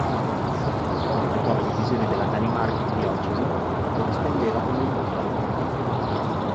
Completò la divisione della Danimarca in diocesi, e corrispondeva con il Papa.